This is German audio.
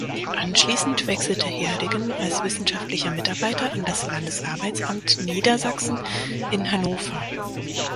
Anschließend wechselte Herdegen als wissenschaftlicher Mitarbeiter an das Landesarbeitsamt Niedersachsen in Hannover.